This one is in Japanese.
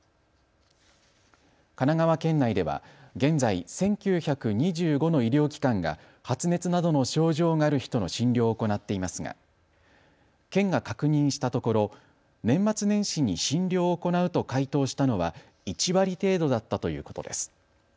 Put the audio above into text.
神奈川県内では現在１９２５の医療機関が発熱などの症状がある人の診療を行っていますが県が確認したところ年末年始に診療を行うと回答したのは１割程度だったということです。